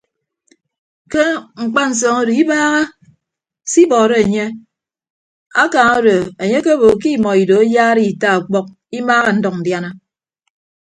Ke mkpansọñ odo ibaaha se ibọọrọ enye akan odo enye akebo ke imọ ido ayaara ita ọkpọk imaaha ndʌñ ndiana.